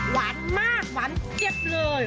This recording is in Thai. หวานมากหวานเจ็บเลย